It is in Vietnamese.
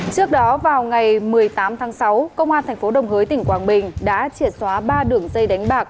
trước đó vào ngày một mươi tám tháng sáu công an tp đồng hới tỉnh quảng bình đã triệt xóa ba đường dây đánh bạc